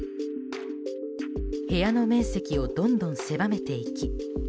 部屋の面積をどんどん狭めていき１